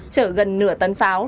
chở gần nửa tấn pháo